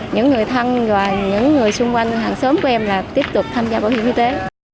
những người thân và những người xung quanh hàng xóm của em là tiếp tục tham gia bảo hiểm y tế